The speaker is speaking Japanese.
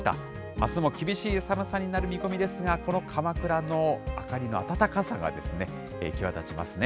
あすも厳しい寒さになる見込みですが、このかまくらの明かりのあたたかさが際立ちますね。